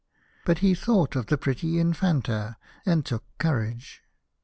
But he thought of the pretty Infanta, and took courage.